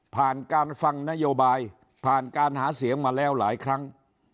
ผ่านการฟังนโยบายผ่านการหาเสียงมาแล้วหลายครั้ง